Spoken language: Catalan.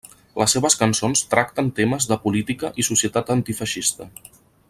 Les seves cançons tracten temes de política i societat antifeixista.